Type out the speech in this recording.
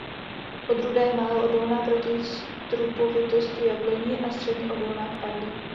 Odrůda je málo odolná proti strupovitosti jabloní a středně odolná k padlí.